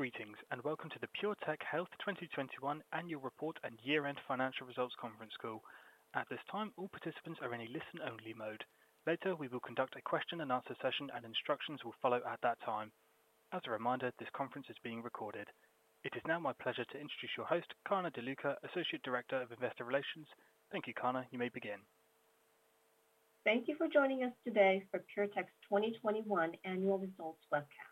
Greetings, and welcome to the PureTech Health 2021 Annual Report and year-end financial results conference call. At this time, all participants are in a listen-only mode. Later, we will conduct a question and answer session, and instructions will follow at that time. As a reminder, this conference is being recorded. It is now my pleasure to introduce your host, Kana DeLuca, Associate Director, Investor Relations. Thank you, Kana. You may begin. Thank you for joining us today for PureTech's 2021 annual results webcast.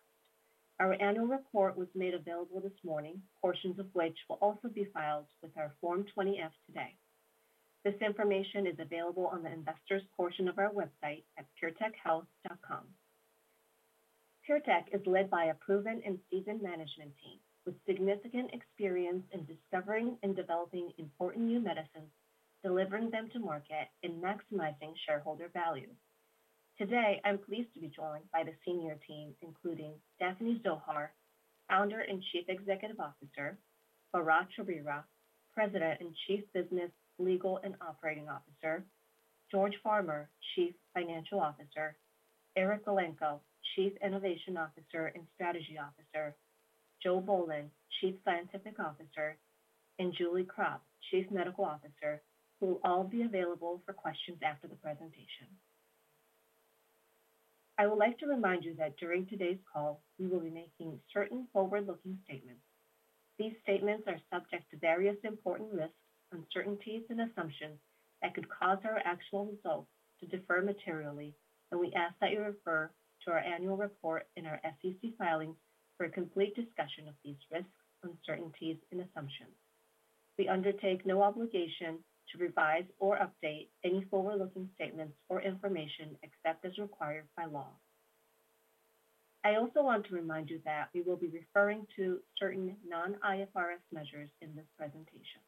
Our annual report was made available this morning, portions of which will also be filed with our Form 20-F today. This information is available on the investors portion of our website at puretechhealth.com. PureTech is led by a proven and seasoned management team with significant experience in discovering and developing important new medicines, delivering them to market and maximizing shareholder value. Today, I'm pleased to be joined by the senior team, including Daphne Zohar, Founder and Chief Executive Officer, Bharatt Chowrira, President and Chief Business, Legal, and Operating Officer, George Farmer, Chief Financial Officer, Eric Elenko, Chief Innovation Officer and Strategy Officer, Joe Bolen, Chief Scientific Officer, and Julie Krop, Chief Medical Officer, who will all be available for questions after the presentation. I would like to remind you that during today's call, we will be making certain forward-looking statements. These statements are subject to various important risks, uncertainties, and assumptions that could cause our actual results to differ materially, and we ask that you refer to our annual report and our SEC filings for a complete discussion of these risks, uncertainties, and assumptions. We undertake no obligation to revise or update any forward-looking statements or information except as required by law. I also want to remind you that we will be referring to certain non-IFRS measures in this presentation.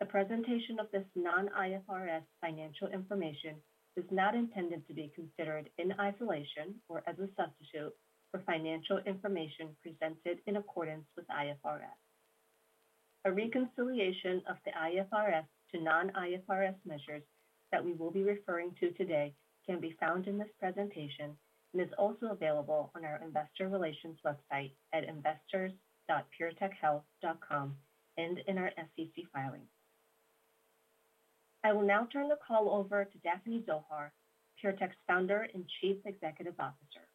The presentation of this non-IFRS financial information is not intended to be considered in isolation or as a substitute for financial information presented in accordance with IFRS. A reconciliation of the IFRS to non-IFRS measures that we will be referring to today can be found in this presentation and is also available on our investor relations website at investors.puretechhealth.com and in our SEC filings. I will now turn the call over to Daphne Zohar, PureTech's Founder and Chief Executive Officer.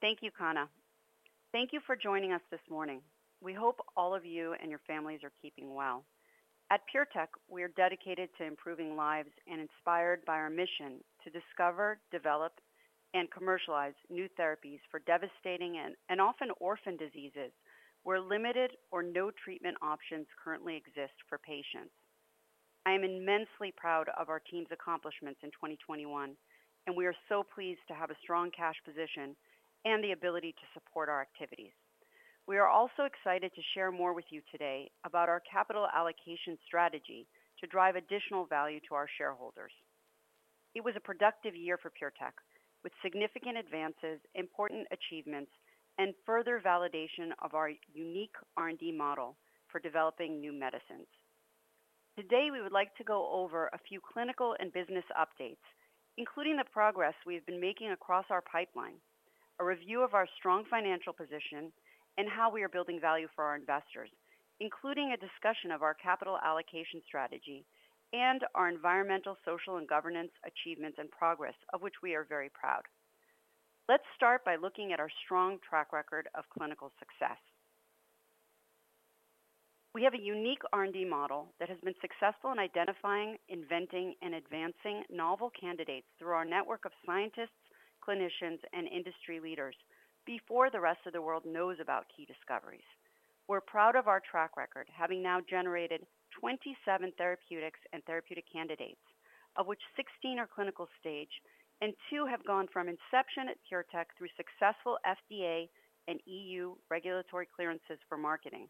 Thank you, Kana. Thank you for joining us this morning. We hope all of you and your families are keeping well. At PureTech, we are dedicated to improving lives and inspired by our mission to discover, develop, and commercialize new therapies for devastating and often orphan diseases where limited or no treatment options currently exist for patients. I am immensely proud of our team's accomplishments in 2021, and we are so pleased to have a strong cash position and the ability to support our activities. We are also excited to share more with you today about our capital allocation strategy to drive additional value to our shareholders. It was a productive year for PureTech with significant advances, important achievements, and further validation of our unique R&D model for developing new medicines. Today, we would like to go over a few clinical and business updates, including the progress we have been making across our pipeline, a review of our strong financial position, and how we are building value for our investors, including a discussion of our capital allocation strategy and our environmental, social, and governance achievements and progress, of which we are very proud. Let's start by looking at our strong track record of clinical success. We have a unique R&D model that has been successful in identifying, inventing, and advancing novel candidates through our network of scientists, clinicians, and industry leaders before the rest of the world knows about key discoveries. We're proud of our track record, having now generated 27 therapeutics and therapeutic candidates, of which 16 are clinical stage and two have gone from inception at PureTech through successful FDA and EU regulatory clearances for marketing.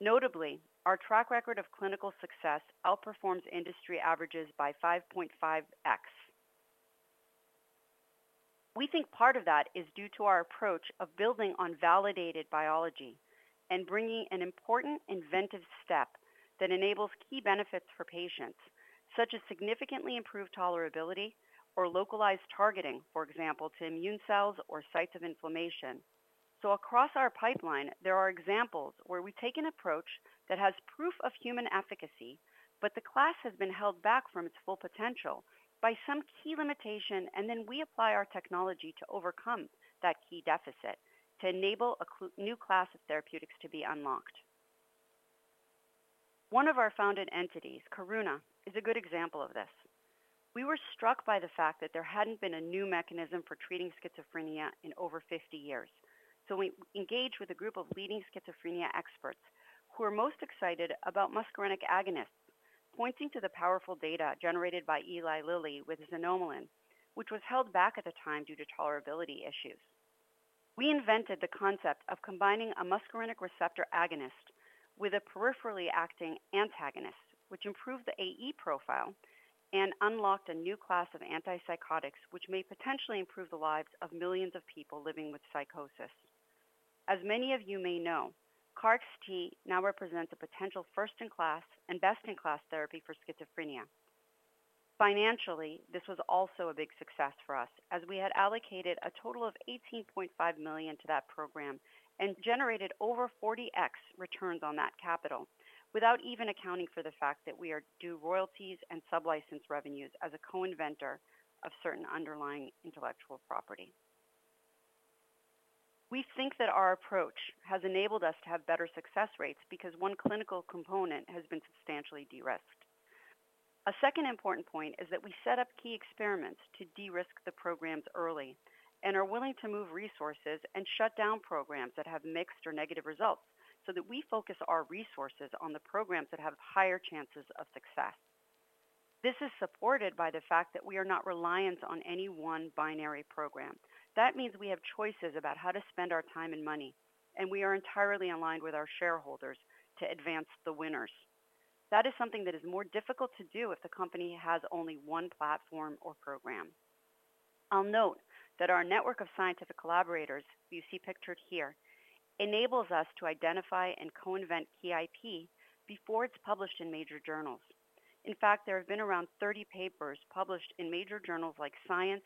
Notably, our track record of clinical success outperforms industry averages by 5.5x. We think part of that is due to our approach of building on validated biology and bringing an important inventive step that enables key benefits for patients, such as significantly improved tolerability or localized targeting, for example, to immune cells or sites of inflammation. Across our pipeline, there are examples where we take an approach that has proof of human efficacy, but the class has been held back from its full potential by some key limitation, and then we apply our technology to overcome that key deficit to enable a new class of therapeutics to be unlocked. One of our founded entities, Karuna, is a good example of this. We were struck by the fact that there hadn't been a new mechanism for treating schizophrenia in over 50 years. We engaged with a group of leading schizophrenia experts who were most excited about muscarinic agonists, pointing to the powerful data generated by Eli Lilly with xanomeline, which was held back at the time due to tolerability issues. We invented the concept of combining a muscarinic receptor agonist with a peripherally acting antagonist, which improved the AE profile and unlocked a new class of antipsychotics, which may potentially improve the lives of millions of people living with psychosis. As many of you may know, KarXT now represents a potential first-in-class and best-in-class therapy for schizophrenia. Financially, this was also a big success for us as we had allocated a total of $18.5 million to that program and generated over 40x returns on that capital without even accounting for the fact that we are due royalties and sublicense revenues as a co-inventor of certain underlying intellectual property. We think that our approach has enabled us to have better success rates because one clinical component has been substantially de-risked. A second important point is that we set up key experiments to de-risk the programs early and are willing to move resources and shut down programs that have mixed or negative results so that we focus our resources on the programs that have higher chances of success. This is supported by the fact that we are not reliant on any one binary program. That means we have choices about how to spend our time and money, and we are entirely aligned with our shareholders to advance the winners. That is something that is more difficult to do if the company has only one platform or program. I'll note that our network of scientific collaborators you see pictured here, enables us to identify and co-invent key IP before it's published in major journals. In fact, there have been around 30 papers published in major journals like Science,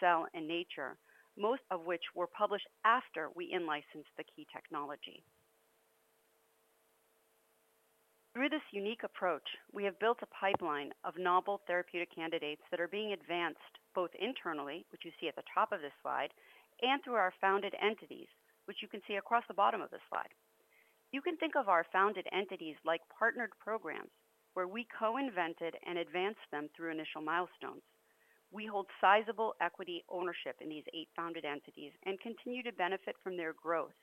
Cell, and Nature, most of which were published after we in-licensed the key technology. Through this unique approach, we have built a pipeline of novel therapeutic candidates that are being advanced both internally, which you see at the top of this slide, and through our founded entities, which you can see across the bottom of this slide. You can think of our founded entities like partnered programs where we co-invented and advanced them through initial milestones. We hold sizable equity ownership in these eight founded entities and continue to benefit from their growth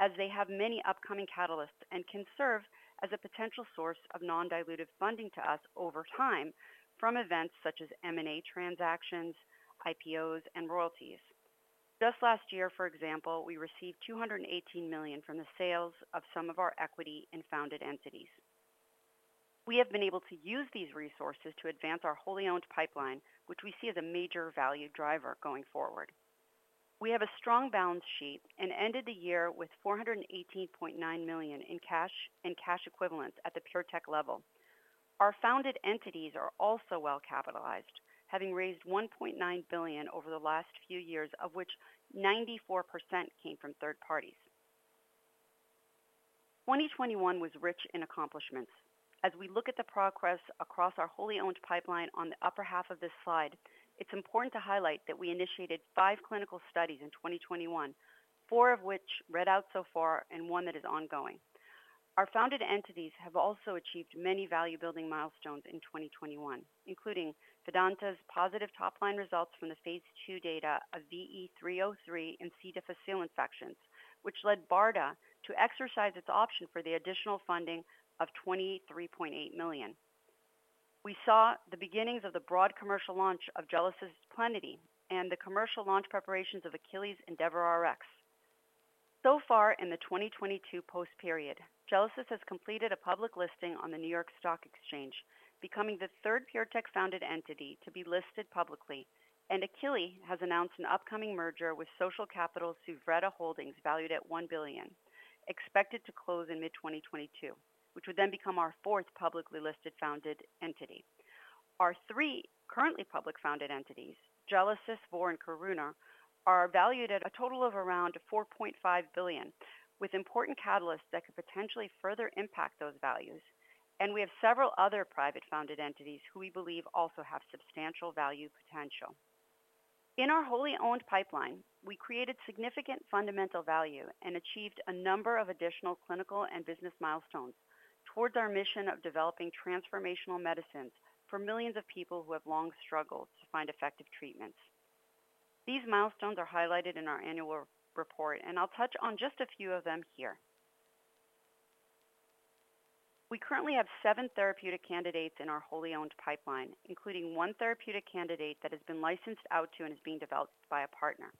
as they have many upcoming catalysts and can serve as a potential source of non-dilutive funding to us over time from events such as M&A transactions, IPOs, and royalties. Just last year, for example, we received $218 million from the sales of some of our equity in founded entities. We have been able to use these resources to advance our wholly owned pipeline, which we see as a major value driver going forward. We have a strong balance sheet and ended the year with $418.9 million in cash and cash equivalents at the PureTech level. Our founded entities are also well capitalized, having raised $1.9 billion over the last few years, of which 94% came from third parties. 2021 was rich in accomplishments. As we look at the progress across our wholly owned pipeline on the upper half of this slide, it's important to highlight that we initiated five clinical studies in 2021, four of which read out so far and one that is ongoing. Our founded entities have also achieved many value-building milestones in 2021, including Vedanta's positive top-line results from the phase II data of VE303 in C. difficile infections, which led BARDA to exercise its option for the additional funding of $23.8 million. We saw the beginnings of the broad commercial launch of Gelesis' Plenity and the commercial launch preparations of Akili's EndeavorRx. So far in the 2022 post period, Gelesis has completed a public listing on the New York Stock Exchange, becoming the third PureTech-founded entity to be listed publicly. Akili has announced an upcoming merger with Social Capital Suvretta Holdings valued at $1 billion, expected to close in mid-2022, which would then become our fourth publicly listed founded entity. Our three currently public founded entities, Gelesis, Vor, and Karuna, are valued at a total of around $4.5 billion, with important catalysts that could potentially further impact those values. We have several other private founded entities who we believe also have substantial value potential. In our wholly owned pipeline, we created significant fundamental value and achieved a number of additional clinical and business milestones towards our mission of developing transformational medicines for millions of people who have long struggled to find effective treatments. These milestones are highlighted in our annual report, and I'll touch on just a few of them here. We currently have seven therapeutic candidates in our wholly owned pipeline, including one therapeutic candidate that has been licensed out to and is being developed by a partner.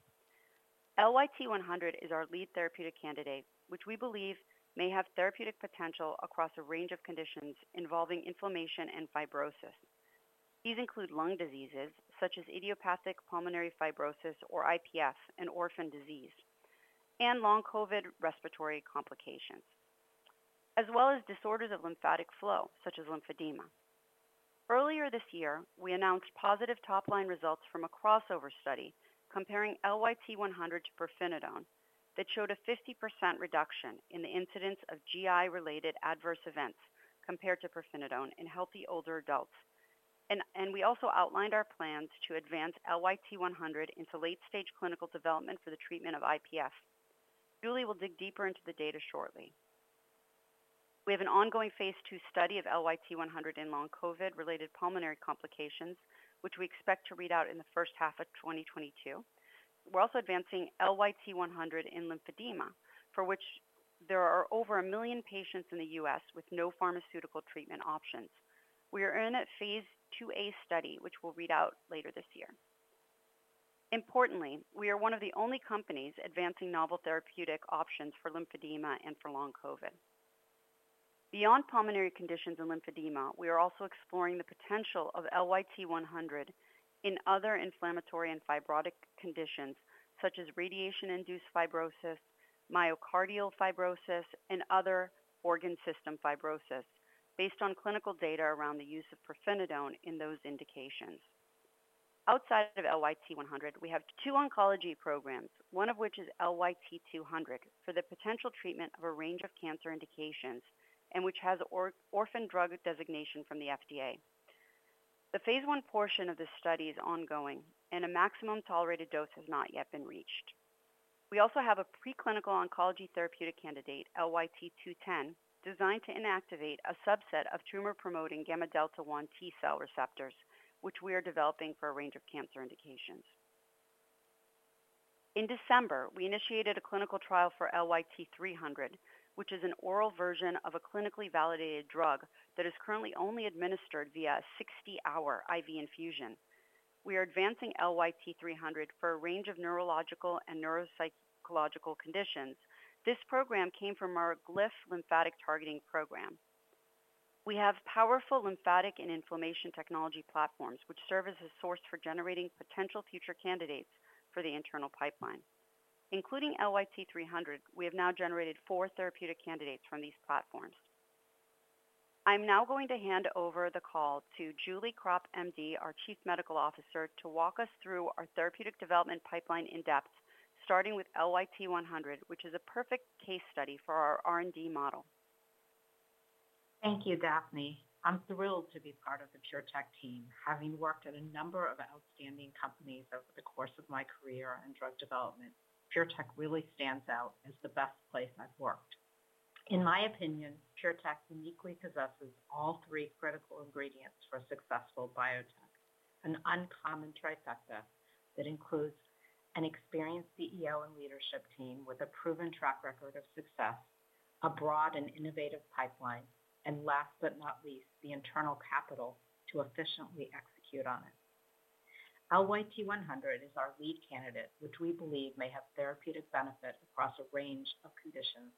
LYT-100 is our lead therapeutic candidate, which we believe may have therapeutic potential across a range of conditions involving inflammation and fibrosis. These include lung diseases such as idiopathic pulmonary fibrosis or IPF, an orphan disease, and long COVID respiratory complications, as well as disorders of lymphatic flow, such as lymphedema. Earlier this year, we announced positive top-line results from a crossover study comparing LYT-100 to pirfenidone that showed a 50% reduction in the incidence of GI-related adverse events compared to pirfenidone in healthy older adults. We also outlined our plans to advance LYT-100 into late-stage clinical development for the treatment of IPF. Julie will dig deeper into the data shortly. We have an ongoing phase II study of LYT-100 in long COVID-related pulmonary complications, which we expect to read out in the first half of 2022. We're also advancing LYT-100 in lymphedema, for which there are over 1 million patients in the U.S. with no pharmaceutical treatment options. We are in a phase IIa study, which we'll read out later this year. Importantly, we are one of the only companies advancing novel therapeutic options for lymphedema and for long COVID. Beyond pulmonary conditions and lymphedema, we are also exploring the potential of LYT-100 in other inflammatory and fibrotic conditions, such as radiation-induced fibrosis, myocardial fibrosis, and other organ system fibrosis based on clinical data around the use of pirfenidone in those indications. Outside of LYT-100, we have two oncology programs, one of which is LYT-200 for the potential treatment of a range of cancer indications and which has orphan drug designation from the FDA. The phase I portion of the study is ongoing and a maximum tolerated dose has not yet been reached. We also have a preclinical oncology therapeutic candidate, LYT-210, designed to inactivate a subset of tumor-promoting gamma delta one T-cell receptors, which we are developing for a range of cancer indications. In December, we initiated a clinical trial for LYT-300, which is an oral version of a clinically validated drug that is currently only administered via a 60-hour IV infusion. We are advancing LYT-300 for a range of neurological and neuropsychological conditions. This program came from our Glyph lymphatic targeting program. We have powerful lymphatic and inflammation technology platforms which serve as a source for generating potential future candidates for the internal pipeline. Including LYT-300, we have now generated four therapeutic candidates from these platforms. I'm now going to hand over the call to Julie Krop, M.D., our Chief Medical Officer, to walk us through our therapeutic development pipeline in depth, starting with LYT-100, which is a perfect case study for our R&D model. Thank you, Daphne. I'm thrilled to be part of the PureTech team. Having worked at a number of outstanding companies over the course of my career in drug development, PureTech really stands out as the best place I've worked. In my opinion, PureTech uniquely possesses all three critical ingredients for a successful biotech, an uncommon trifecta that includes an experienced CEO and leadership team with a proven track record of success, a broad and innovative pipeline, and last but not least, the internal capital to efficiently execute on it. LYT-100 is our lead candidate, which we believe may have therapeutic benefit across a range of conditions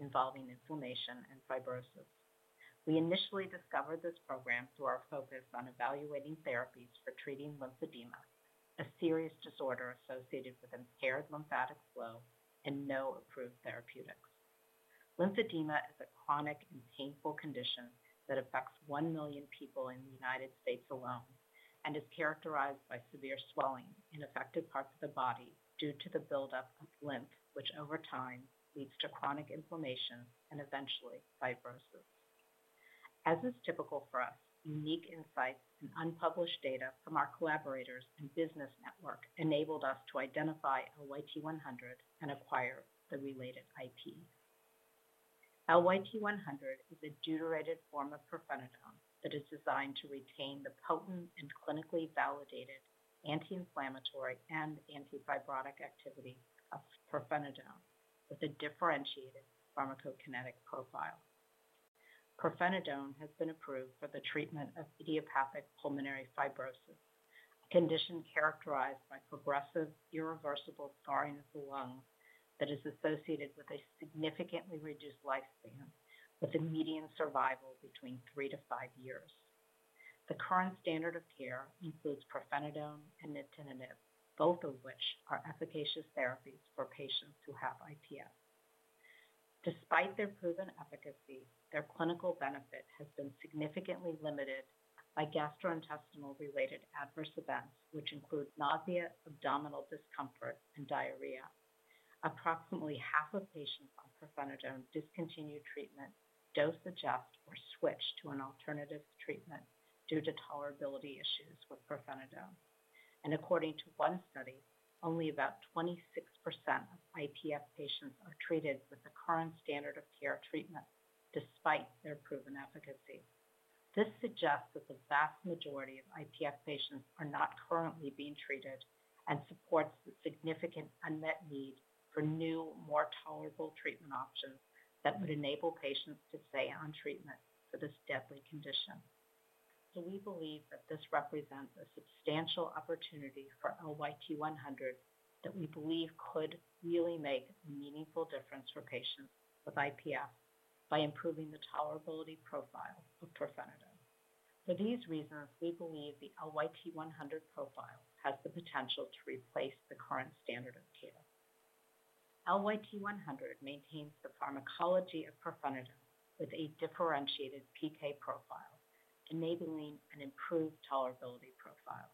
involving inflammation and fibrosis. We initially discovered this program through our focus on evaluating therapies for treating lymphedema, a serious disorder associated with impaired lymphatic flow and no approved therapeutics. Lymphedema is a chronic and painful condition that affects 1 million people in the United States alone and is characterized by severe swelling in affected parts of the body due to the buildup of lymph, which over time leads to chronic inflammation and eventually fibrosis. As is typical for us, unique insights and unpublished data from our collaborators and business network enabled us to identify LYT-100 and acquire the related IP. LYT-100 is a deuterated form of pirfenidone that is designed to retain the potent and clinically validated anti-inflammatory and anti-fibrotic activity of pirfenidone with a differentiated pharmacokinetic profile. Pirfenidone has been approved for the treatment of idiopathic pulmonary fibrosis, a condition characterized by progressive, irreversible scarring of the lung that is associated with a significantly reduced lifespan with a median survival between 3-5 years. The current standard of care includes pirfenidone and nintedanib, both of which are efficacious therapies for patients who have IPF. Despite their proven efficacy, their clinical benefit has been significantly limited by gastrointestinal-related adverse events, which include nausea, abdominal discomfort, and diarrhea. Approximately half of patients on pirfenidone discontinue treatment, dose adjust, or switch to an alternative treatment due to tolerability issues with pirfenidone. According to one study, only about 26% of IPF patients are treated with the current standard of care treatment despite their proven efficacy. This suggests that the vast majority of IPF patients are not currently being treated and supports the significant unmet need for new, more tolerable treatment options that would enable patients to stay on treatment for this deadly condition. We believe that this represents a substantial opportunity for LYT-100 that we believe could really make a meaningful difference for patients with IPF by improving the tolerability profile of pirfenidone. For these reasons, we believe the LYT-100 profile has the potential to replace the current standard of care. LYT-100 maintains the pharmacology of pirfenidone with a differentiated PK profile, enabling an improved tolerability profile.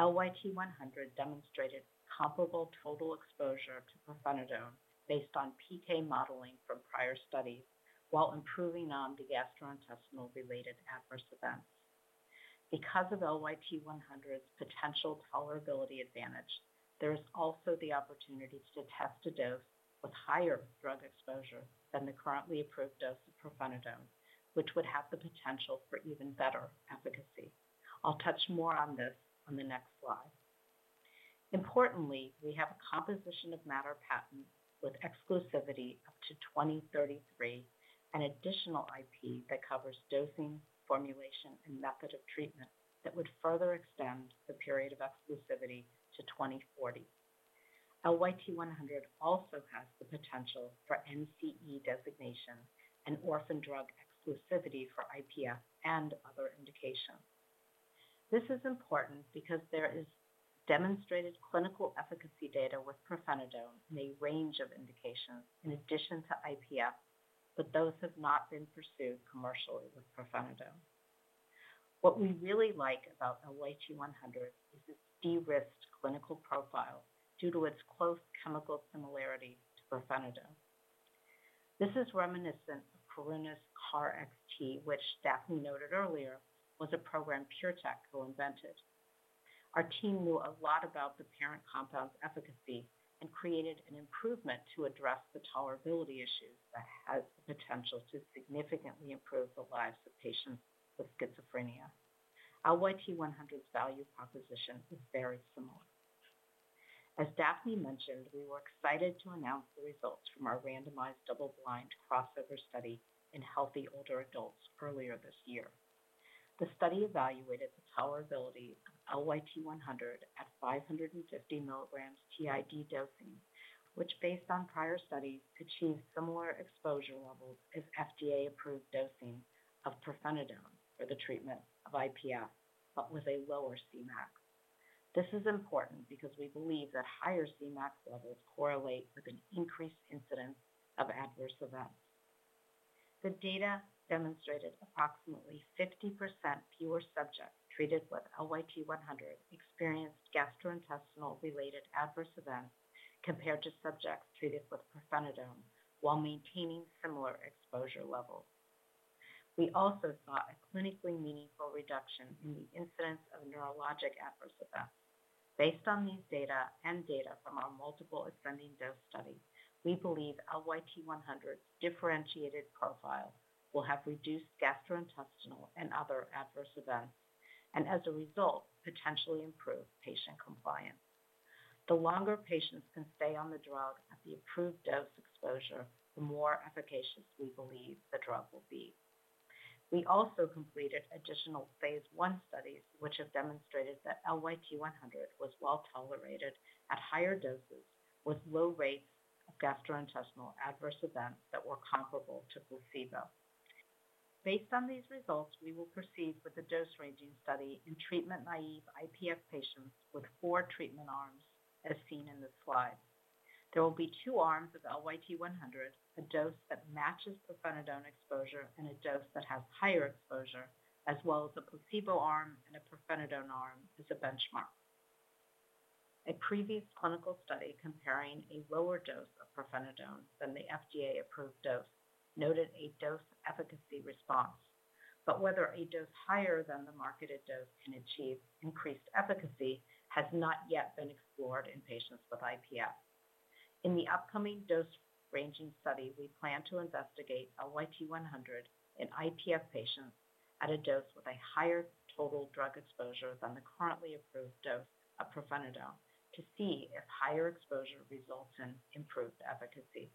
LYT-100 demonstrated comparable total exposure to pirfenidone based on PK modeling from prior studies while improving on the gastrointestinal-related adverse events. Because of LYT-100's potential tolerability advantage, there is also the opportunity to test a dose with higher drug exposure than the currently approved dose of pirfenidone, which would have the potential for even better efficacy. I'll touch more on this on the next slide. Importantly, we have a composition of matter patent with exclusivity up to 2033, an additional IP that covers dosing, formulation, and method of treatment that would further extend the period of exclusivity to 2040. LYT-100 also has the potential for NCE designation and orphan drug exclusivity for IPF and other indications. This is important because there is demonstrated clinical efficacy data with pirfenidone in a range of indications in addition to IPF, but those have not been pursued commercially with pirfenidone. What we really like about LYT-100 is its de-risked clinical profile due to its close chemical similarity to pirfenidone. This is reminiscent of Karuna's KarXT, which Daphne noted earlier was a program PureTech co-invented. Our team knew a lot about the parent compound's efficacy and created an improvement to address the tolerability issues that has the potential to significantly improve the lives of patients with schizophrenia. LYT-100's value proposition is very similar. As Daphne mentioned, we were excited to announce the results from our randomized double-blind crossover study in healthy older adults earlier this year. The study evaluated the tolerability of LYT-100 at 550 milligrams TID dosing, which based on prior studies, achieved similar exposure levels as FDA-approved dosing of pirfenidone for the treatment of IPF, but with a lower Cmax. This is important because we believe that higher Cmax levels correlate with an increased incidence of adverse events. The data demonstrated approximately 50% fewer subjects treated with LYT-100 experienced gastrointestinal-related adverse events compared to subjects treated with pirfenidone while maintaining similar exposure levels. We also saw a clinically meaningful reduction in the incidence of neurologic adverse events. Based on these data and data from our multiple ascending dose studies, we believe LYT-100's differentiated profile will have reduced gastrointestinal and other adverse events, and as a result, potentially improve patient compliance. The longer patients can stay on the drug at the approved dose exposure, the more efficacious we believe the drug will be. We also completed additional phase I studies, which have demonstrated that LYT-100 was well-tolerated at higher doses with low rates of gastrointestinal adverse events that were comparable to placebo. Based on these results, we will proceed with a dose-ranging study in treatment-naive IPF patients with four treatment arms as seen in this slide. There will be two arms of LYT-100, a dose that matches pirfenidone exposure and a dose that has higher exposure, as well as a placebo arm and a pirfenidone arm as a benchmark. A previous clinical study comparing a lower dose of pirfenidone than the FDA-approved dose noted a dose-efficacy response. Whether a dose higher than the marketed dose can achieve increased efficacy has not yet been explored in patients with IPF. In the upcoming dose-ranging study, we plan to investigate LYT-100 in IPF patients at a dose with a higher total drug exposure than the currently approved dose of pirfenidone to see if higher exposure results in improved efficacy.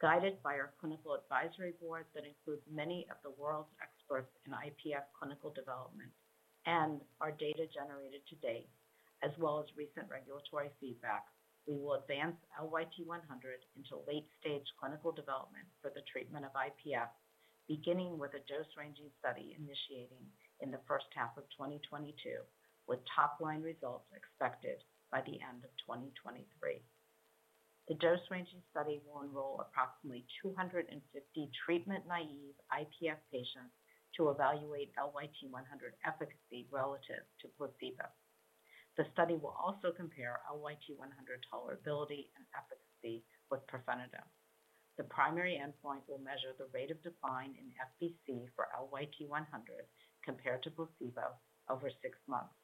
Guided by our clinical advisory board that includes many of the world's experts in IPF clinical development and our data generated to date, as well as recent regulatory feedback, we will advance LYT-100 into late-stage clinical development for the treatment of IPF, beginning with a dose-ranging study initiating in the first half of 2022, with top-line results expected by the end of 2023. The dose-ranging study will enroll approximately 250 treatment-naive IPF patients to evaluate LYT-100 efficacy relative to placebo. The study will also compare LYT-100 tolerability and efficacy with pirfenidone. The primary endpoint will measure the rate of decline in FVC for LYT-100 compared to placebo over six months.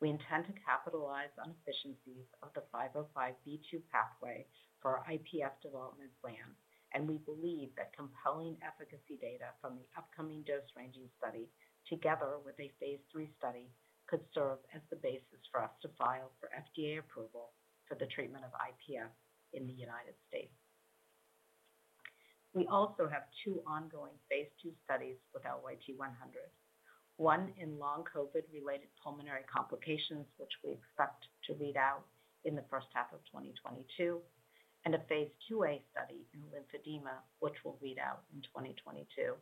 We intend to capitalize on efficiencies of the 505(b)(2) pathway for our IPF development plan, and we believe that compelling efficacy data from the upcoming dose-ranging study together with a phase III study could serve as the basis for us to file for FDA approval for the treatment of IPF in the United States. We also have two ongoing phase II studies with LYT-100, one in long COVID-related pulmonary complications, which we expect to read out in the first half of 2022, and a phase IIa study in lymphedema, which we'll read out in 2022.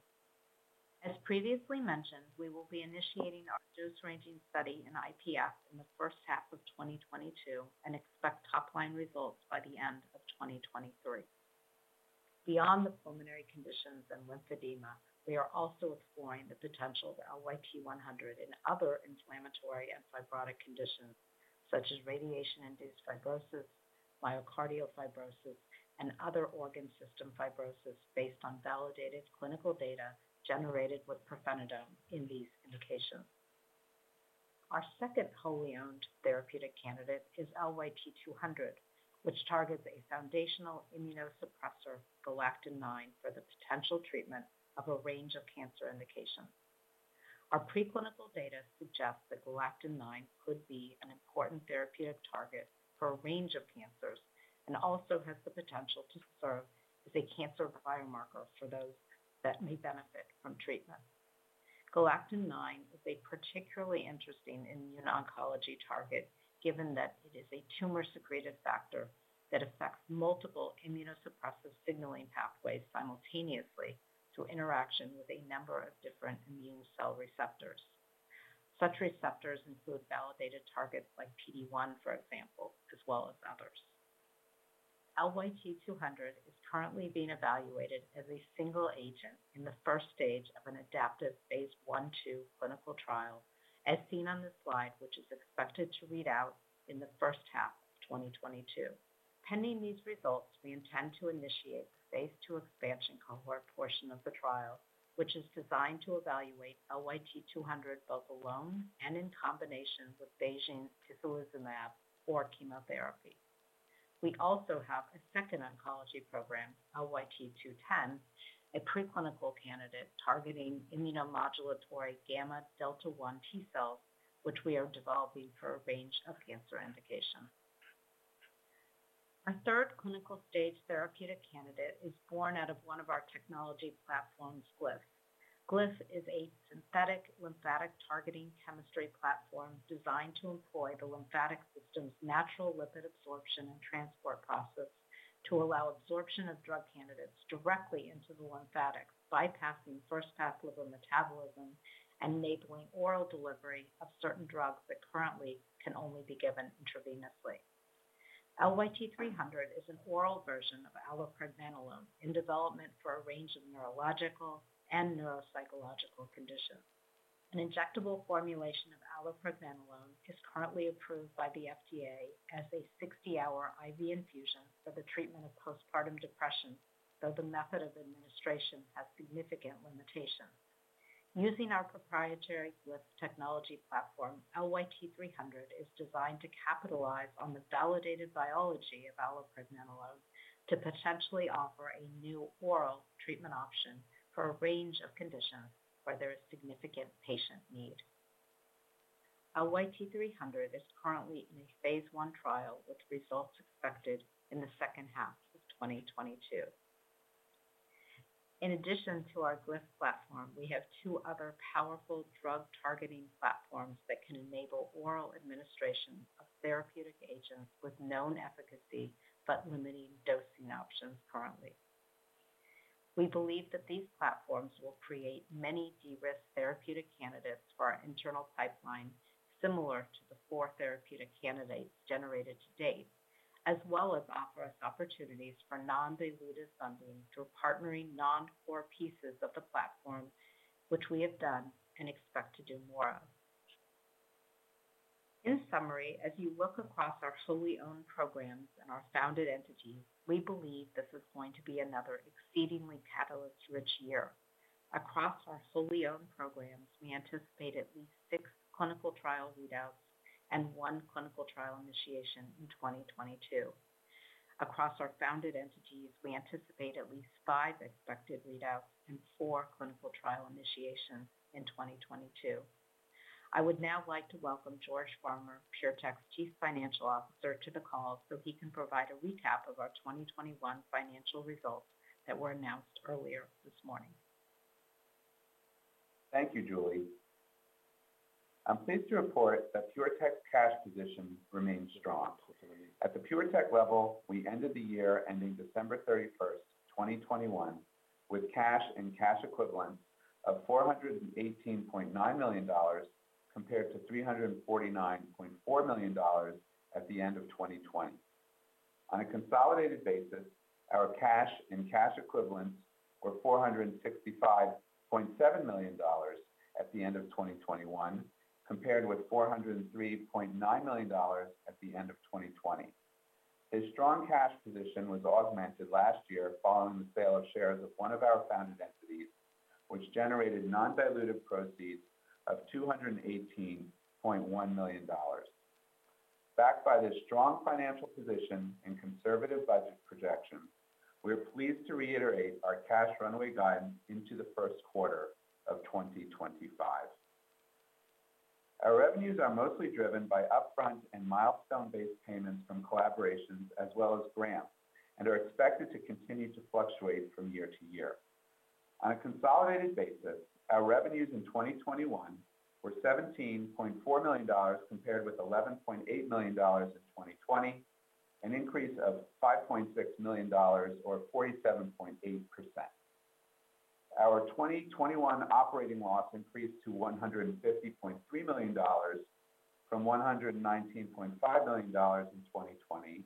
As previously mentioned, we will be initiating our dose-ranging study in IPF in the first half of 2022 and expect top-line results by the end of 2023. Beyond the pulmonary conditions and lymphedema, we are also exploring the potential of LYT-100 in other inflammatory and fibrotic conditions such as radiation-induced fibrosis, myocardial fibrosis, and other organ system fibrosis based on validated clinical data generated with pirfenidone in these indications. Our second wholly owned therapeutic candidate is LYT-200, which targets a foundational immunosuppressor galectin-9 for the potential treatment of a range of cancer indications. Our preclinical data suggests that galectin-9 could be an important therapeutic target for a range of, and also has the potential to serve as a cancer biomarker for those that may benefit from treatment. galectin-9 is a particularly interesting immune oncology target, given that it is a tumor-secreted factor that affects multiple immunosuppressive signaling pathways simultaneously through interaction with a number of different immune cell receptors. Such receptors include validated targets like PD-1, for example, as well as others. LYT-200 is currently being evaluated as a single agent in the first stage of an adaptive phase I/II clinical trial, as seen on this slide, which is expected to read out in the first half of 2022. Pending these results, we intend to initiate the phase II expansion cohort portion of the trial, which is designed to evaluate LYT-200 both alone and in combination with BeiGene's tislelizumab or chemotherapy. We also have a second oncology program, LYT-210, a preclinical candidate targeting immunomodulatory gamma delta 1 T cells, which we are developing for a range of cancer indications. Our third clinical stage therapeutic candidate is born out of one of our technology platforms, Glyph. Glyph is a synthetic lymphatic-targeting chemistry platform designed to employ the lymphatic system's natural lipid absorption and transport process to allow absorption of drug candidates directly into the lymphatics, bypassing first-pass liver metabolism and enabling oral delivery of certain drugs that currently can only be given intravenously. LYT-300 is an oral version of allopregnanolone in development for a range of neurological and neuropsychological conditions. An injectable formulation of allopregnanolone is currently approved by the FDA as a 60-hour IV infusion for the treatment of postpartum depression, though the method of administration has significant limitations. Using our proprietary Glyph technology platform, LYT-300 is designed to capitalize on the validated biology of allopregnanolone to potentially offer a new oral treatment option for a range of conditions where there is significant patient need. LYT-300 is currently in a phase I trial, with results expected in the second half of 2022. In addition to our Glyph platform, we have two other powerful drug-targeting platforms that can enable oral administration of therapeutic agents with known efficacy but limiting dosing options currently. We believe that these platforms will create many de-risked therapeutic candidates for our internal pipeline, similar to the four therapeutic candidates generated to date, as well as offer us opportunities for non-dilutive funding through partnering non-core pieces of the platform, which we have done and expect to do more of. In summary, as you look across our wholly owned programs and our founded entities, we believe this is going to be another exceedingly catalyst-rich year. Across our wholly owned programs, we anticipate at least six clinical trial readouts and one clinical trial initiation in 2022. Across our founded entities, we anticipate at least five expected readouts and four clinical trial initiations in 2022. I would now like to welcome George Farmer, PureTech's Chief Financial Officer, to the call so he can provide a recap of our 2021 financial results that were announced earlier this morning. Thank you, Julie. I'm pleased to report that PureTech's cash position remains strong. At the PureTech level, we ended the year ending December 31, 2021, with cash and cash equivalents of $418.9 million compared to $349.4 million at the end of 2020. On a consolidated basis, our cash and cash equivalents were $465.7 million at the end of 2021, compared with $403.9 million at the end of 2020. This strong cash position was augmented last year following the sale of shares of one of our founded entities, which generated non-dilutive proceeds of $218.1 million. Backed by this strong financial position and conservative budget projections, we are pleased to reiterate our cash runway guidance into the first quarter of 2025. Our revenues are mostly driven by upfront and milestone-based payments from collaborations as well as grants, and are expected to continue to fluctuate from year to year. On a consolidated basis, our revenues in 2021 were $17.4 million compared with $11.8 million in 2020, an increase of $5.6 million or 47.8%. Our 2021 operating loss increased to $150.3 million from $119.5 million in 2020,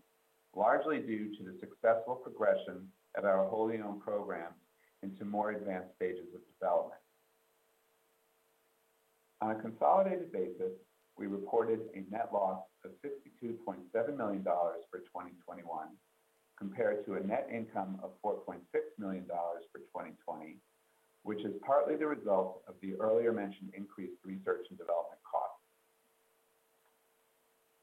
largely due to the successful progression of our wholly owned programs into more advanced stages of development. On a consolidated basis, we reported a net loss of $52.7 million for 2021 compared to a net income of $4.6 million for 2020, which is partly the result of the earlier mentioned increased research and development costs.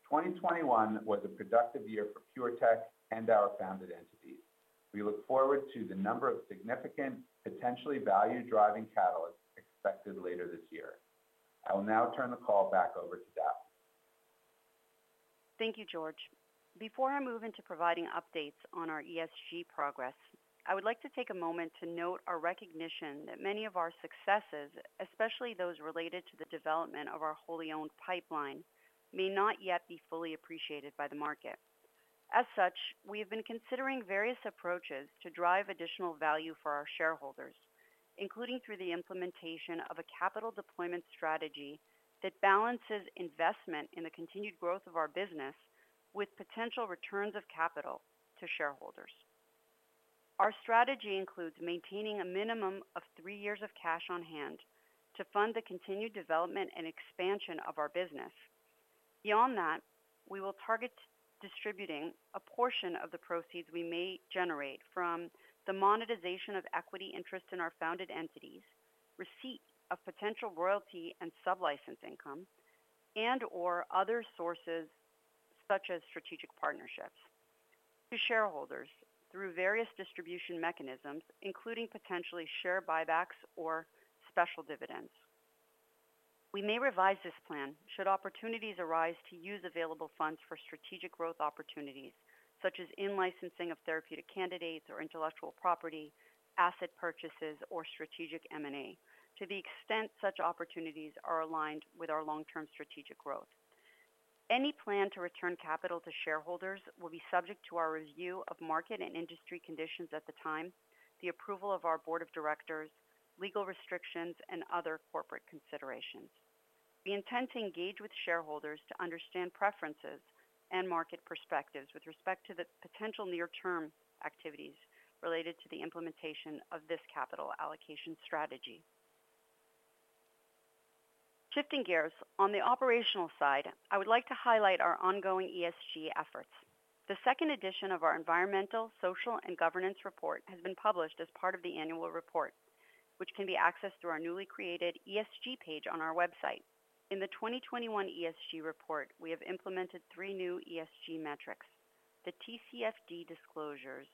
2021 was a productive year for PureTech and our founded entities. We look forward to the number of significant potentially value-driving catalysts expected later this year. I will now turn the call back over to Daphne. Thank you, George. Before I move into providing updates on our ESG progress, I would like to take a moment to note our recognition that many of our successes, especially those related to the development of our wholly owned pipeline, may not yet be fully appreciated by the market. As such, we have been considering various approaches to drive additional value for our shareholders, including through the implementation of a capital deployment strategy that balances investment in the continued growth of our business with potential returns of capital to shareholders. Our strategy includes maintaining a minimum of three years of cash on-hand to fund the continued development and expansion of our business. Beyond that, we will target distributing a portion of the proceeds we may generate from the monetization of equity interest in our founded entities, receipt of potential royalty and sublicense income, and/or other sources such as strategic partnerships to shareholders through various distribution mechanisms, including potentially share buybacks or special dividends. We may revise this plan should opportunities arise to use available funds for strategic growth opportunities such as in-licensing of therapeutic candidates or intellectual property, asset purchases, or strategic M&A to the extent such opportunities are aligned with our long-term strategic growth. Any plan to return capital to shareholders will be subject to our review of market and industry conditions at the time, the approval of our board of directors, legal restrictions, and other corporate considerations. We intend to engage with shareholders to understand preferences and market perspectives with respect to the potential near-term activities related to the implementation of this capital allocation strategy. Shifting gears, on the operational side, I would like to highlight our ongoing ESG efforts. The second edition of our environmental, social, and governance report has been published as part of the annual report, which can be accessed through our newly created ESG page on our website. In the 2021 ESG report, we have implemented three new ESG metrics, the TCFD disclosures,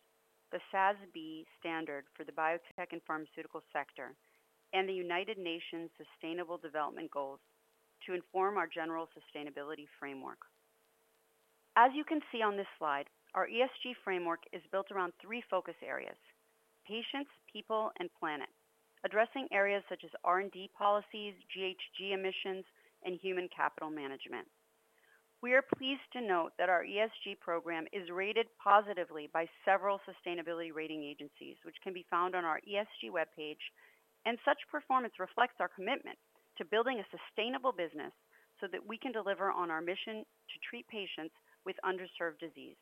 the SASB standard for the biotech and pharmaceutical sector, and the United Nations Sustainable Development Goals to inform our general sustainability framework. As you can see on this slide, our ESG framework is built around three focus areas, patients, people, and planet, addressing areas such as R&D policies, GHG emissions, and human capital management. We are pleased to note that our ESG program is rated positively by several sustainability rating agencies, which can be found on our ESG webpage, and such performance reflects our commitment to building a sustainable business so that we can deliver on our mission to treat patients with underserved disease.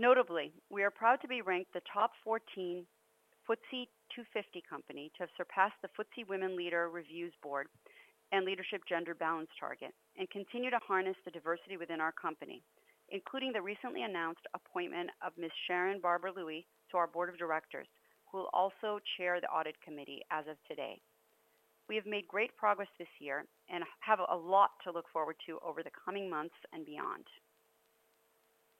Notably, we are proud to be ranked the top 14 FTSE 250 company to have surpassed the FTSE Women Leaders Review board and leadership gender balance target and continue to harness the diversity within our company, including the recently announced appointment of Ms. Sharon Barber-Lui to our board of directors, who will also chair the audit committee as of today. We have made great progress this year and have a lot to look forward to over the coming months and beyond.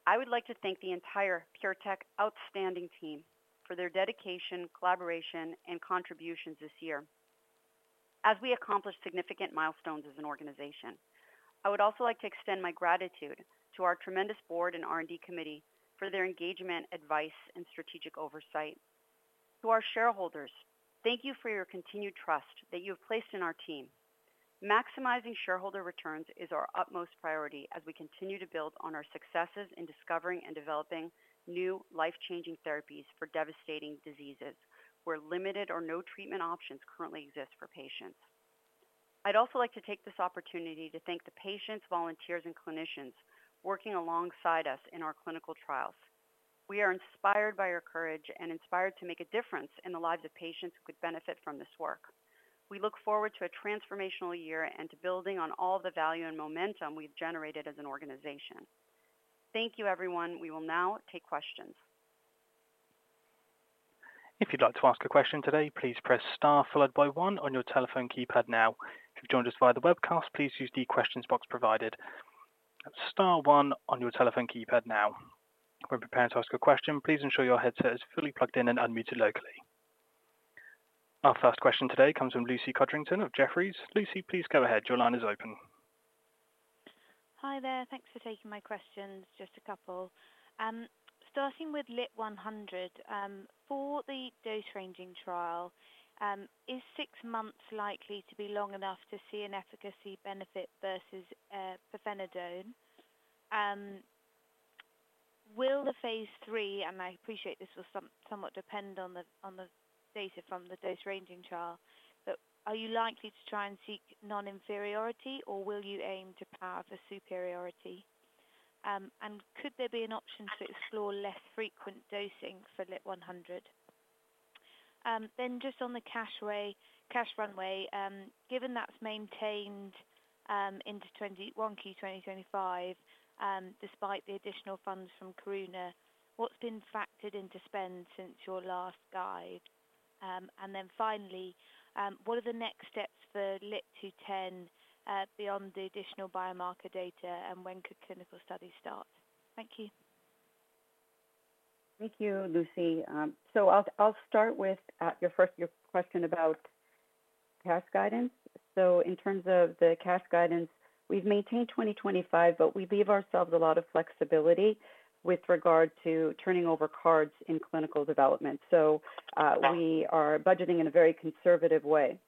I would like to thank the entire PureTech outstanding team for their dedication, collaboration, and contributions this year as we accomplish significant milestones as an organization. I would also like to extend my gratitude to our tremendous board and R&D committee for their engagement, advice, and strategic oversight. To our shareholders, thank you for your continued trust that you have placed in our team. Maximizing shareholder returns is our utmost priority as we continue to build on our successes in discovering and developing new life-changing therapies for devastating diseases where limited or no treatment options currently exist for patients. I'd also like to take this opportunity to thank the patients, volunteers, and clinicians working alongside us in our clinical trials. We are inspired by your courage and inspired to make a difference in the lives of patients who could benefit from this work. We look forward to a transformational year and to building on all the value and momentum we've generated as an organization. Thank you, everyone. We will now take questions. If you'd like to ask a question today, please press star followed by one on your telephone keypad now. If you've joined us via the webcast, please use the questions box provided. That's star one on your telephone keypad now. When preparing to ask a question, please ensure your headset is fully plugged in and unmuted locally. Our first question today comes from Lucy Codrington of Jefferies. Lucy, please go ahead. Your line is open. Hi there. Thanks for taking my questions. Just a couple. Starting with LYT-100, for the dose ranging trial, is six months likely to be long enough to see an efficacy benefit versus pirfenidone? Will the phase III, and I appreciate this will somewhat depend on the data from the dose ranging trial, but are you likely to try and seek non-inferiority, or will you aim to power for superiority? And could there be an option to explore less frequent dosing for LYT-100? Then just on the cash runway, given that's maintained into Q1 2025, despite the additional funds from Karuna, what's been factored into spend since your last guide? Finally, what are the next steps for LYT-210 beyond the additional biomarker data, and when could clinical studies start? Thank you. Thank you, Lucy. I'll start with your first question about cash guidance. In terms of the cash guidance, we've maintained 2025, but we leave ourselves a lot of flexibility with regard to turning over cards in clinical development. We are budgeting in a very conservative way.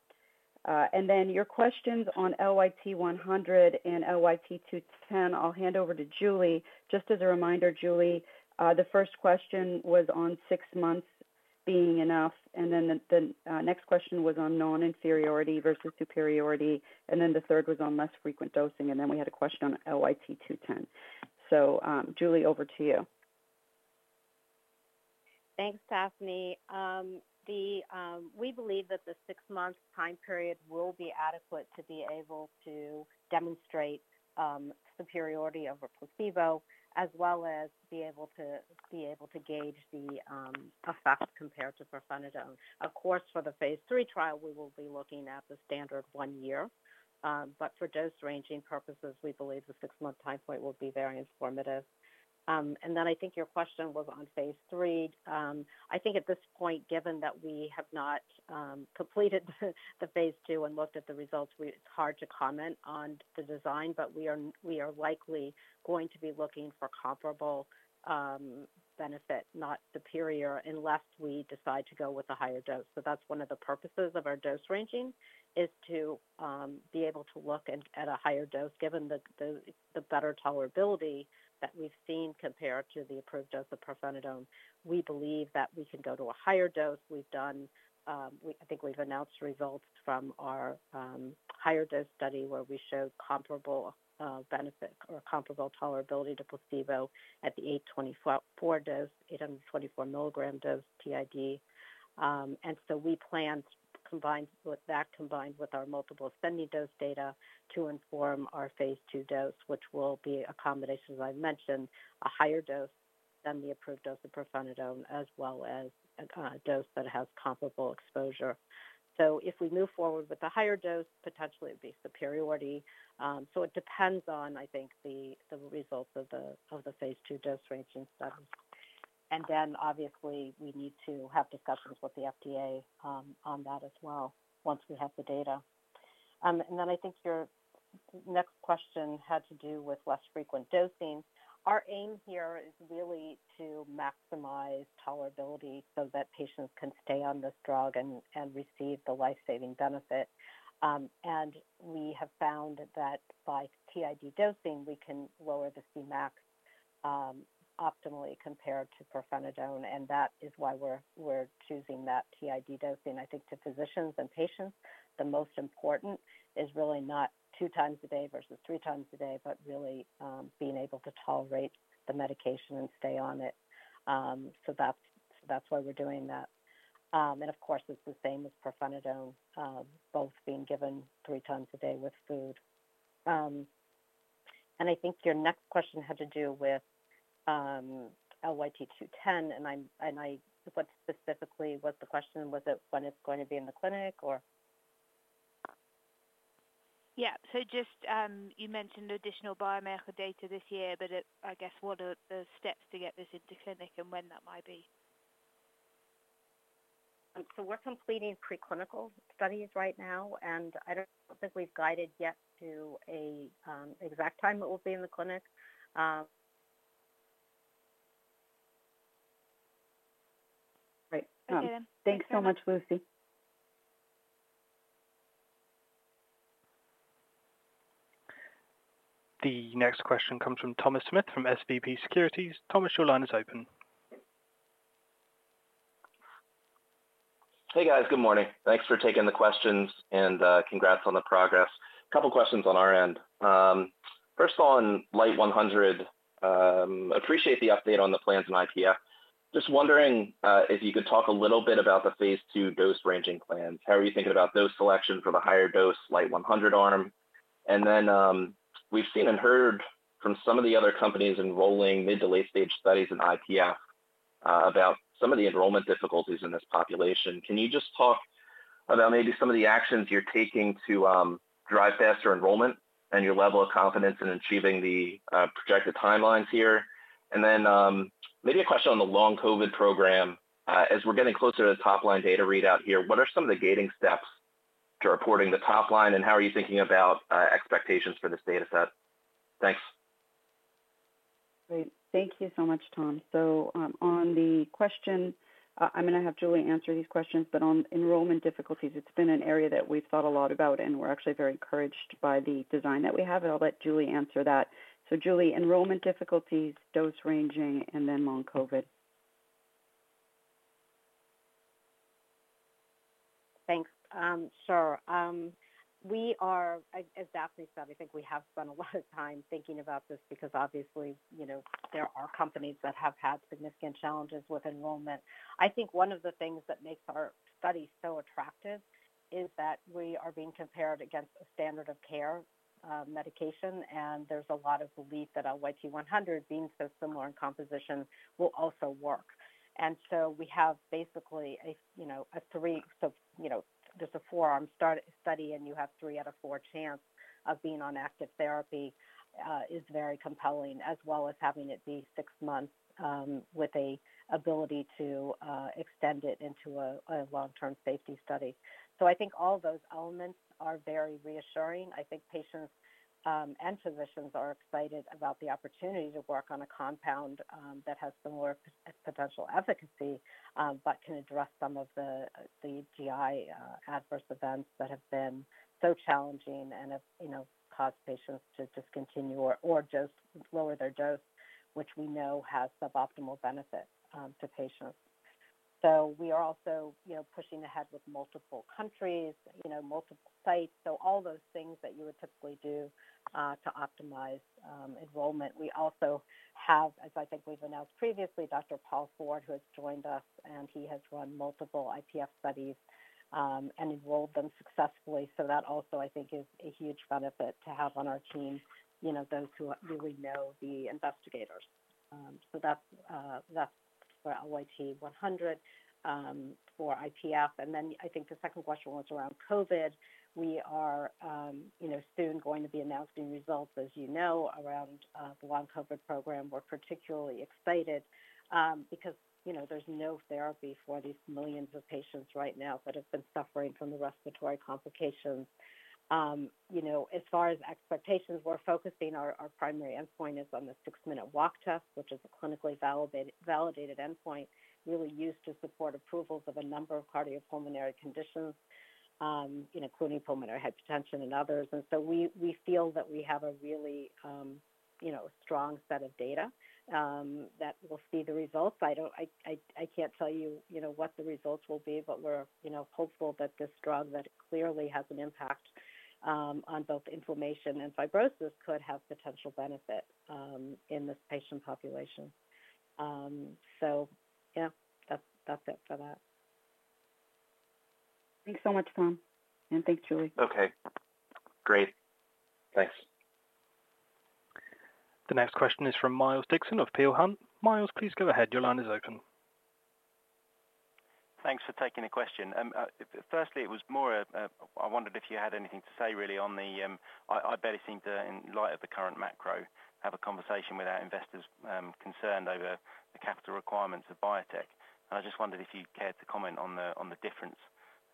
Then your questions on LYT-100 and LYT-210, I'll hand over to Julie. Just as a reminder, Julie, the first question was on six months being enough, and then the next question was on known inferiority versus superiority, and then the third was on less frequent dosing, and then we had a question on LYT-210. Julie, over to you. Thanks, Daphne. We believe that the six month time period will be adequate to be able to demonstrate superiority over placebo, as well as be able to gauge the effect compared to pirfenidone. Of course, for the phase III trial, we will be looking at the standard one year. For dose ranging purposes, we believe the six month time frame will be very informative. I think your question was on phase III. I think at this point, given that we have not completed the phase II and looked at the results, it's hard to comment on the design, but we are likely going to be looking for comparable benefit, not superior, unless we decide to go with a higher dose. That's one of the purposes of our dose ranging is to be able to look at a higher dose, given the better tolerability that we've seen compared to the approved dose of pirfenidone. We believe that we can go to a higher dose. I think we've announced results from our higher dose study where we showed comparable benefit or comparable tolerability to placebo at the 824 dose, 824 milligram dose TID. We plan combined with that, combined with our multiple ascending dose data to inform our phase II dose, which will be a combination, as I mentioned, a higher dose than the approved dose of pirfenidone, as well as a dose that has comparable exposure. If we move forward with a higher dose, potentially it would be superiority. It depends on, I think, the results of the phase II dose ranging study. Obviously, we need to have discussions with the FDA on that as well once we have the data. I think your next question had to do with less frequent dosing. Our aim here is really to maximize tolerability so that patients can stay on this drug and receive the life-saving benefit. We have found that by TID dosing, we can lower the Cmax optimally compared to pirfenidone, and that is why we're choosing that TID dosing. I think to physicians and patients, the most important is really not two times a day versus three times a day, but really being able to tolerate the medication and stay on it. That's why we're doing that. Of course, it's the same as pirfenidone, both being given three times a day with food. I think your next question had to do with LYT-210. What specifically was the question? Was it when it's going to be in the clinic or? Yeah. Just, you mentioned additional biomedical data this year, but I guess what are the steps to get this into clinic and when that might be? We're completing preclinical studies right now, and I don't think we've guided yet to a exact time it will be in the clinic. Great. Okay then. Thanks so much, Lucy. The next question comes from Thomas Smith from SVB Securities. Thomas, your line is open. Hey, guys. Good morning. Thanks for taking the questions and congrats on the progress. A couple questions on our end. First of all, on LYT-100, appreciate the update on the plans in IPF. Just wondering if you could talk a little bit about the phase II dose ranging plans. How are you thinking about dose selection for the higher dose LYT-100 arm? We've seen and heard from some of the other companies enrolling mid- to late-stage studies in IPF about some of the enrollment difficulties in this population. Can you just talk about some of the actions you're taking to drive faster enrollment and your level of confidence in achieving the projected timelines here? Then, maybe a question on the long COVID program. As we're getting closer to the top-line data readout here, what are some of the gating steps to reporting the top line, and how are you thinking about expectations for this data set? Thanks. Great. Thank you so much, Tom. On the question, I'm gonna have Julie answer these questions, but on enrollment difficulties, it's been an area that we've thought a lot about, and we're actually very encouraged by the design that we have, and I'll let Julie answer that. Julie, enrollment difficulties, dose ranging, and then long COVID. Thanks. Sure. We are, as Daphne said, I think we have spent a lot of time thinking about this because obviously, you know, there are companies that have had significant challenges with enrollment. I think one of the things that makes our study so attractive is that we are being compared against a standard of care medication, and there's a lot of belief that LYT-100, being so similar in composition, will also work. We have basically a, you know, just a four-arm study, and you have three out of four chance of being on active therapy is very compelling, as well as having it be six months with the ability to extend it into a long-term safety study. I think all those elements are very reassuring. I think patients and physicians are excited about the opportunity to work on a compound that has some more potential efficacy but can address some of the GI adverse events that have been so challenging and have, you know, caused patients to discontinue or just lower their dose, which we know has suboptimal benefit to patients. We are also, you know, pushing ahead with multiple countries, you know, multiple sites. All those things that you would typically do to optimize enrollment. We also have, as I think we've announced previously, Dr. Paul Noble, who has joined us, and he has run multiple IPF studies and enrolled them successfully. That also, I think, is a huge benefit to have on our team, you know, those who really know the investigators. That's for LYT-100 for IPF. I think the second question was around COVID. We are, you know, soon going to be announcing results, as you know, around the long COVID program. We're particularly excited because, you know, there's no therapy for these millions of patients right now that have been suffering from the respiratory complications. You know, as far as expectations, we're focusing our primary endpoint is on the six minute walk test, which is a clinically validated endpoint really used to support approvals of a number of cardiopulmonary conditions, including pulmonary hypertension and others. We feel that we have a really, you know, strong set of data that will see the results. I can't tell you know, what the results will be, but we're, you know, hopeful that this drug that clearly has an impact on both inflammation and fibrosis could have potential benefit in this patient population. Yeah, that's it for that. Thanks so much, Tom, and thanks, Julie. Okay, great. Thanks. The next question is from Miles Dixon of Peel Hunt. Miles, please go ahead. Your line is open. Thanks for taking the question. Firstly, I wondered if you had anything to say really. I barely seem to, in light of the current macro, have a conversation without investors concerned over the capital requirements of biotech. I just wondered if you'd care to comment on the difference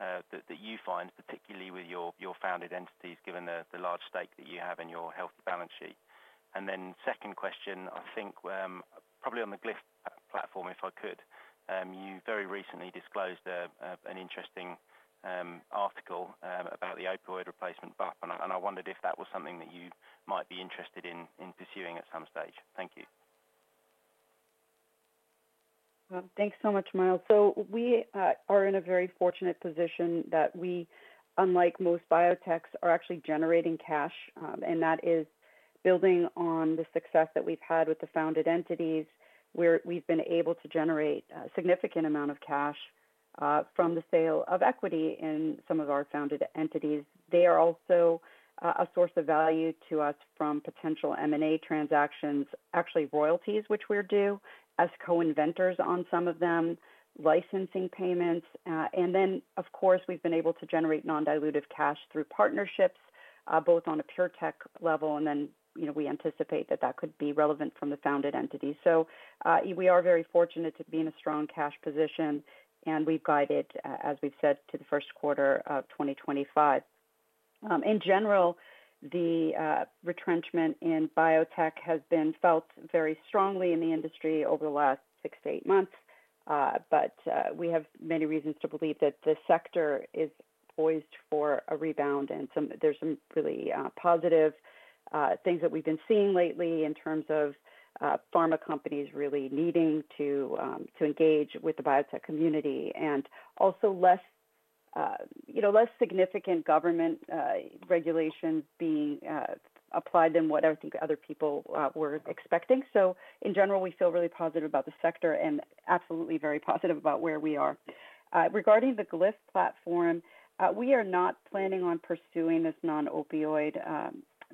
that you find, particularly with your founded entities, given the large stake that you have in your healthy balance sheet. Second question, I think, probably on the Glyph platform, if I could. You very recently disclosed an interesting article about the opioid replacement buff. I wondered if that was something that you might be interested in pursuing at some stage. Thank you. Well, thanks so much, Miles. We are in a very fortunate position that we, unlike most biotechs, are actually generating cash. That is building on the success that we've had with the founded entities, where we've been able to generate a significant amount of cash from the sale of equity in some of our founded entities. They are also a source of value to us from potential M&A transactions, actually royalties, which we're due as co-inventors on some of them, licensing payments. Of course, we've been able to generate non-dilutive cash through partnerships both on a PureTech level, and then, you know, we anticipate that that could be relevant from the founded entities. We are very fortunate to be in a strong cash position, and we've guided, as we've said, to the first quarter of 2025. In general, the retrenchment in biotech has been felt very strongly in the industry over the last six to eight months. We have many reasons to believe that this sector is poised for a rebound. There's some really positive things that we've been seeing lately in terms of pharma companies really needing to engage with the biotech community and also less, you know, less significant government regulations being applied than what I think other people were expecting. In general, we feel really positive about the sector and absolutely very positive about where we are. Regarding the Glyph platform, we are not planning on pursuing this non-opioid,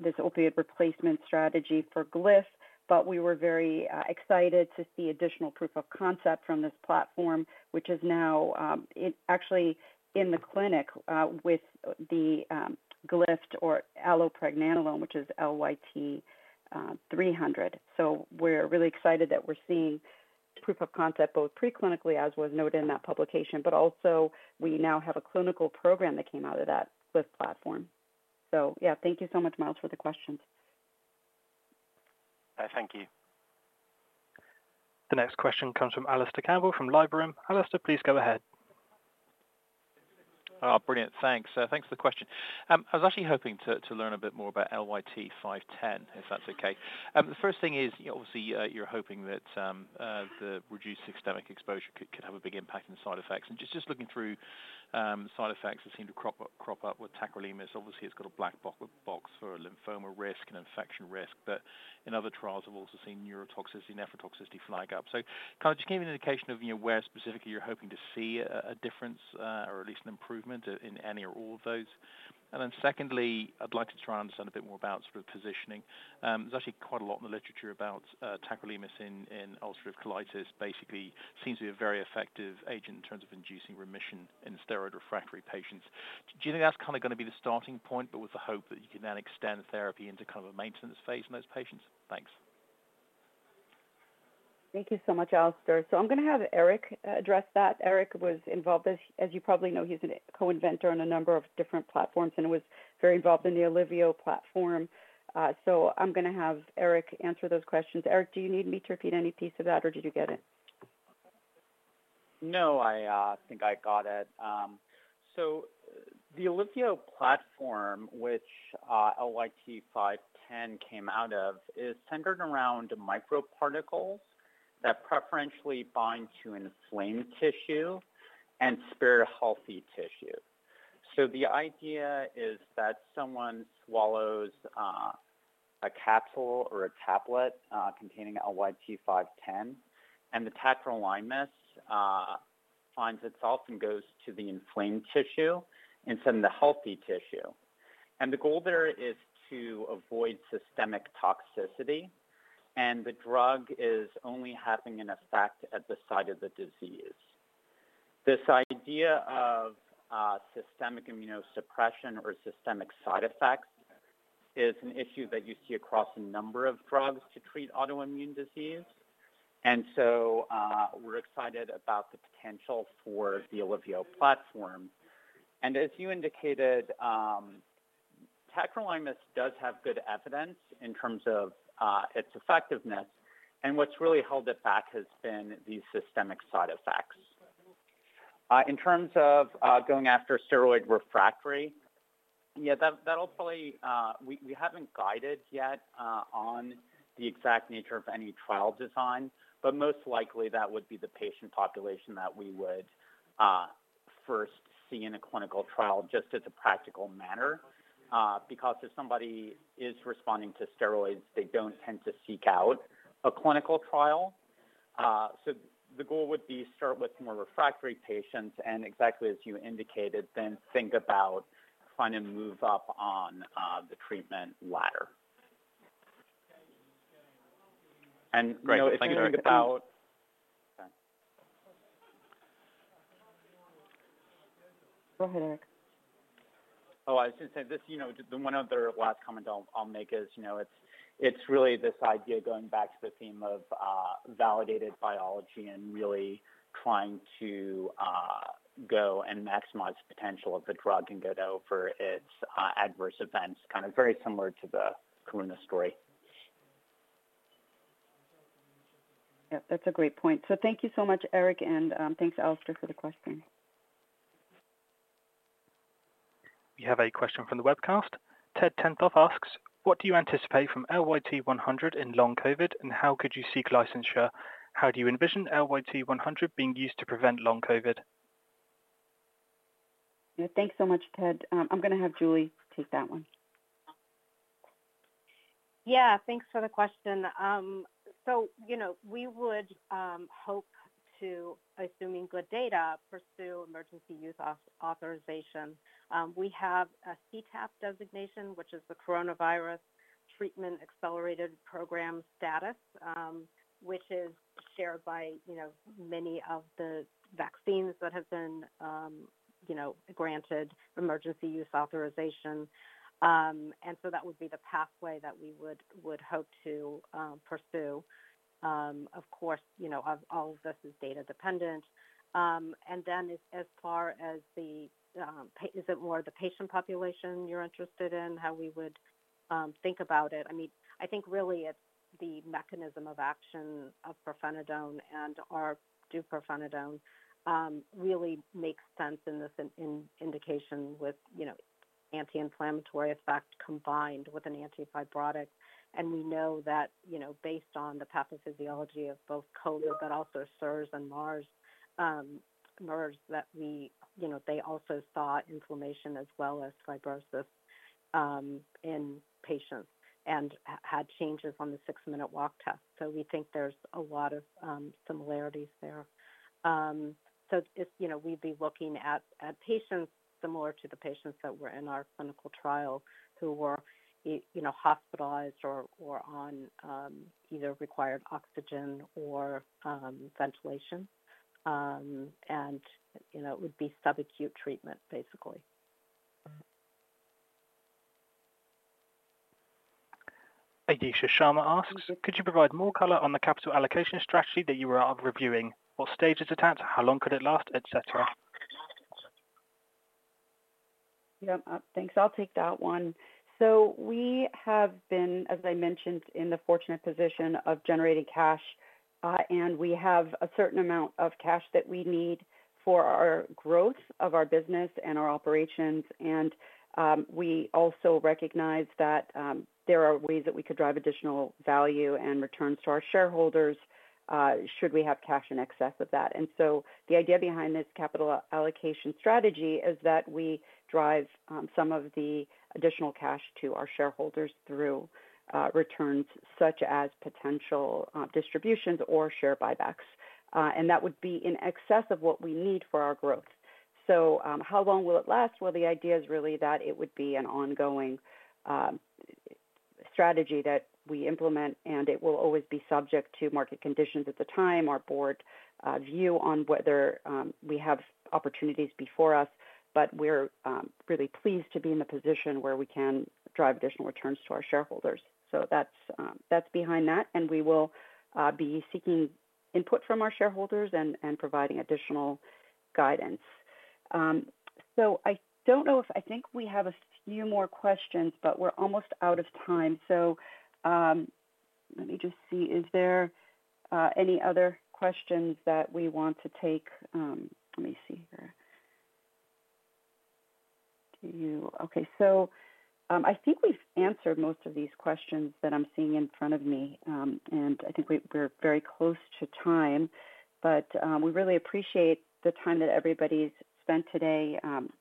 this opioid replacement strategy for Glyph, but we were very excited to see additional proof of concept from this platform, which is now actually in the clinic with the Glyph or allopregnanolone, which is LYT-300. We're really excited that we're seeing proof of concept, both preclinically, as was noted in that publication, but also we now have a clinical program that came out of that Glyph platform. Thank you so much, Miles, for the questions. Thank you. The next question comes from Alistair Campbell from Liberum. Alistair, please go ahead. Oh, brilliant. Thanks. Thanks for the question. I was actually hoping to learn a bit more about LYT-510, if that's okay. The first thing is, you know, obviously, you're hoping that the reduced systemic exposure could have a big impact on side effects. Just looking through side effects that seem to crop up with tacrolimus, obviously, it's got a black box for lymphoma risk and infection risk. In other trials, I've also seen neurotoxicity, nephrotoxicity flag up. Can I just give you an indication of, you know, where specifically you're hoping to see a difference or at least an improvement in any or all of those? And then secondly, I'd like to try and understand a bit more about sort of positioning. There's actually quite a lot in the literature about tacrolimus in ulcerative colitis. Basically seems to be a very effective agent in terms of inducing remission in steroid-refractory patients. Do you think that's kind of gonna be the starting point, but with the hope that you can then extend the therapy into kind of a maintenance phase in those patients? Thanks. Thank you so much, Alistair. I'm gonna have Eric address that. Eric was involved as you probably know, he's a co-inventor on a number of different platforms and was very involved in the Alivio platform. I'm gonna have Eric answer those questions. Eric, do you need me to repeat any piece of that, or did you get it? No, I think I got it. The Alivio platform, which LYT-510 came out of, is centered around microparticles that preferentially bind to inflamed tissue and spare healthy tissue. The idea is that someone swallows a capsule or a tablet containing LYT-510, and the tacrolimus finds itself and goes to the inflamed tissue instead of the healthy tissue. The goal there is to avoid systemic toxicity, and the drug is only having an effect at the site of the disease. This idea of systemic immunosuppression or systemic side effects is an issue that you see across a number of drugs to treat autoimmune disease. We're excited about the potential for the Alivio platform. As you indicated, tacrolimus does have good evidence in terms of its effectiveness, and what's really held it back has been the systemic side effects. In terms of going after steroid refractory, yeah, that'll probably. We haven't guided yet on the exact nature of any trial design, but most likely that would be the patient population that we would first see in a clinical trial just as a practical matter. Because if somebody is responding to steroids, they don't tend to seek out a clinical trial. The goal would be start with more refractory patients and exactly as you indicated, then think about trying to move up on the treatment ladder. You know, if you think about Go ahead, Eric. Oh, I was just saying this, you know, one other last comment I'll make is, you know, it's really this idea going back to the theme of validated biology and really trying to go and maximize the potential of the drug and go over its adverse events, kind of very similar to the Karuna story. Yeah, that's a great point. Thank you so much, Eric, and, thanks, Alistair, for the question. We have a question from the webcast. Ted Tenthoff asks, "What do you anticipate from LYT-100 in long COVID, and how could you seek licensure? How do you envision LYT-100 being used to prevent long COVID? Yeah. Thanks so much, Ted. I'm gonna have Julie take that one. Yeah. Thanks for the question. So, you know, we would hope to, assuming good data, pursue emergency use authorization. We have a CTAP designation, which is the Coronavirus Treatment Accelerated Program status, which is shared by, you know, many of the vaccines that have been, you know, granted emergency use authorization. That would be the pathway that we would hope to pursue. Of course, you know, all of this is data dependent. As far as the patient population you're interested in, how we would think about it? I mean, I think really it's the mechanism of action of pirfenidone and our deupirfenidone, really makes sense in this indication with, you know, anti-inflammatory effect combined with an antifibrotic. We know that, you know, based on the pathophysiology of both COVID, but also SARS and MERS, they also saw inflammation as well as fibrosis in patients and had changes on the six minute walk test. We think there's a lot of similarities there. We'd be looking at patients similar to the patients that were in our clinical trial who were, you know, hospitalized or on either required oxygen or ventilation. You know, it would be subacute treatment, basically. Adesha Sharma asks, "Could you provide more color on the capital allocation strategy that you are reviewing? What stage is it at? How long could it last, et cetera? Yeah. Thanks. I'll take that one. We have been, as I mentioned, in the fortunate position of generating cash, and we have a certain amount of cash that we need for our growth of our business and our operations. We also recognize that there are ways that we could drive additional value and returns to our shareholders, should we have cash in excess of that. The idea behind this capital allocation strategy is that we drive some of the additional cash to our shareholders through returns such as potential distributions or share buybacks. That would be in excess of what we need for our growth. How long will it last? Well, the idea is really that it would be an ongoing strategy that we implement, and it will always be subject to market conditions at the time, our board view on whether we have opportunities before us. We're really pleased to be in the position where we can drive additional returns to our shareholders. That's behind that, and we will be seeking input from our shareholders and providing additional guidance. I don't know. I think we have a few more questions, but we're almost out of time. Let me just see. Is there any other questions that we want to take? Let me see here. Okay. I think we've answered most of these questions that I'm seeing in front of me. I think we're very close to time. We really appreciate the time that everybody's spent today,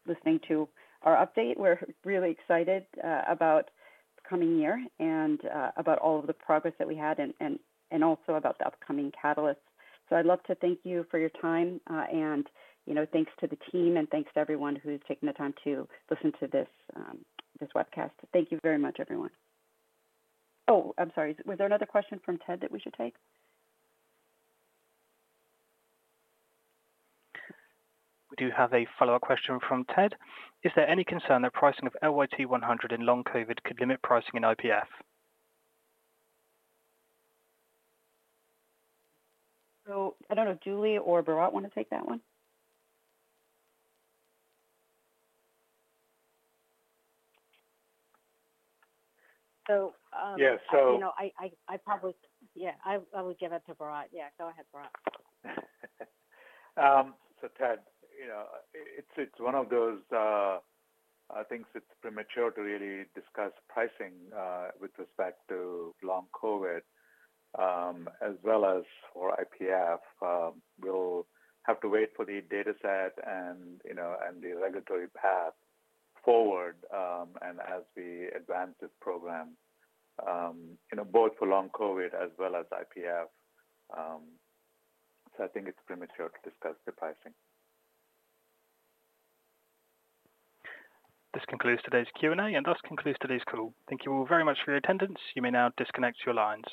listening to our update. We're really excited about the coming year and about all of the progress that we had and also about the upcoming catalysts. I'd love to thank you for your time, and you know, thanks to the team, and thanks to everyone who's taken the time to listen to this webcast. Thank you very much, everyone. Oh, I'm sorry. Was there another question from Ted that we should take? We do have a follow-up question from Ted. Is there any concern that pricing of LYT-100 in long COVID could limit pricing in IPF? I don't know if Julie or Bharatt want to take that one. So, um- Yeah. You know, I would give that to Bharatt. Yeah, go ahead, Bharatt. Ted, you know, it's one of those, I think it's premature to really discuss pricing with respect to long COVID as well as or IPF. We'll have to wait for the dataset and, you know, and the regulatory path forward, and as we advance this program, you know, both for long COVID as well as IPF. I think it's premature to discuss the pricing. This concludes today's Q&A, and thus concludes today's call. Thank you all very much for your attendance. You may now disconnect your lines.